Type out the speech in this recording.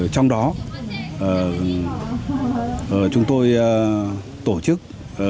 trong đó chúng tôi tổ chức